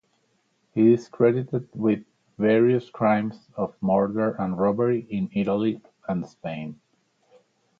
He is credited with various crimes of murder and robbery in Italy and Spain.